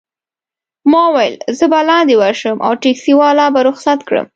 ما وویل: زه به لاندي ورشم او ټکسي والا به رخصت کړم.